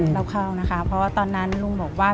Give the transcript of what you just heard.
เล่าเข้านะคะเพราะว่าตอนนั้นลุงบอกว่า